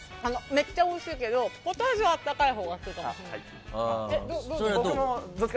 めっちゃおいしいけどポタージュはあったかいほうが好き。